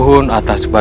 hanya itu saja